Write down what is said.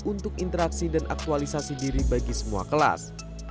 untuk interaksi dan aktualisasi diri bagi semua kelas